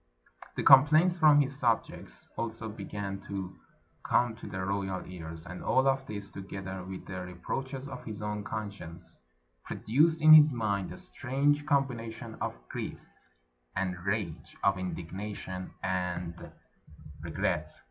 The complaints from his subjects also began to come to the royal ears, and all of this, together with the re proaches of his own conscience, produced in his mind a strange combination of grief and rage, of indignation and 38s PERSIA regret.